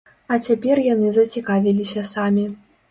А цяпер яны зацікавіліся самі.